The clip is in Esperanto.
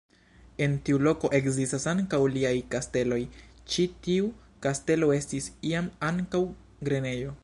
En tiu loko ekzistas ankaŭ aliaj kasteloj, ĉi tiu kastelo estis iam ankaŭ grenejo.